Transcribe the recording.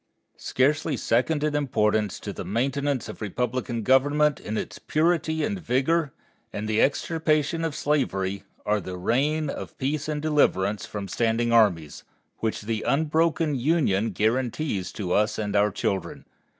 Scarcely second in importance to the maintenance of republican government in its purity and vigor and the extirpation of slavery, are the reign of peace and deliverance from standing armies, which the unbroken Union guarantees to us and to our children.